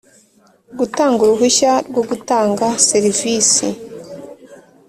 Gutanga uruhushya rwo gutanga serivisi